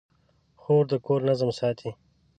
خور د کور نظم ساتي.